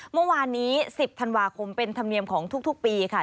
เมื่อวานนี้๑๐ธันวาคมเป็นธรรมเนียมของทุกปีค่ะ